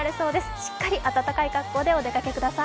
しっかり温かい格好でお出かけください。